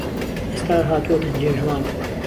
ئێستا هاتووهته جێژوان